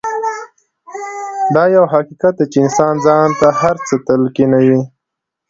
دا يو حقيقت دی چې انسان ځان ته هر څه تلقينوي.